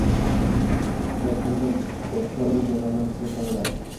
Agar kimdir ursa, u jazodan qutulib qoladi